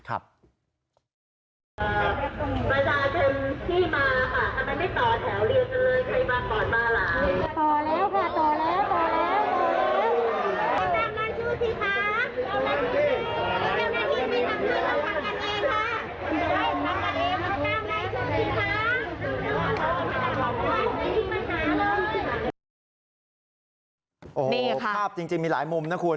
โอ้โหภาพจริงมีหลายมุมนะคุณ